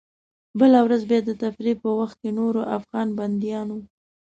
بله ورځ بیا د تفریح په وخت کې نورو افغان بندیانو.